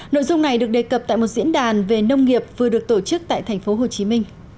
nội dung này được đề cập tại một diễn đàn về nông nghiệp vừa được tổ chức tại tp hcm